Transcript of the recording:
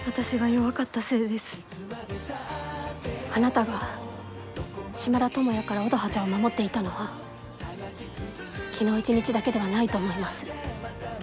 あなたが島田友也から乙葉ちゃんを守っていたのは昨日一日だけではないと思います。